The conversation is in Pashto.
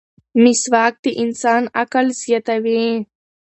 مسواک د انسان عقل زیاتوي.